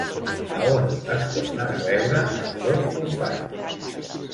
A on es tornen a veure ambdós companys?